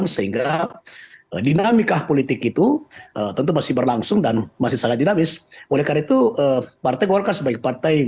sehingga dinamika politik itu tentu masih berlangsung dan masih sangat dinamis oleh karena itu partai golkar sebagai partai